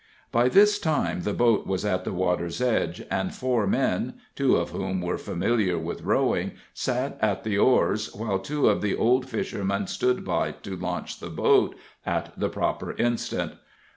By this time the boat was at the water's edge, and four men two of whom were familiar with rowing sat at the oars, while two of the old fishermen stood by to launch the boat at the proper instant.